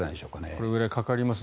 これぐらいかかります。